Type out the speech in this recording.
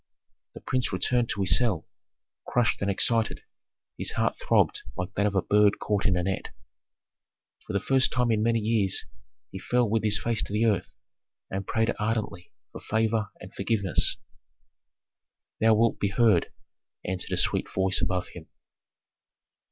The prince returned to his cell, crushed and excited; his heart throbbed like that of a bird caught in a net. For the first time in many years he fell with his face to the earth and prayed ardently for favor and forgiveness. "Thou wilt be heard," answered a sweet voice above him.